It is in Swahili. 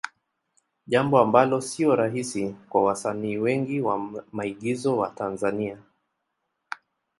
Jambo ambalo sio rahisi kwa wasanii wengi wa maigizo wa Tanzania.